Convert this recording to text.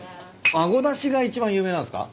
あごだしが一番有名なんすか？